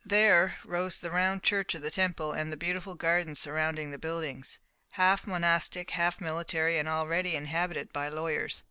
There, rose the round church of the Temple, and the beautiful gardens surrounding the buildings, half monastic, half military, and already inhabited by lawyers.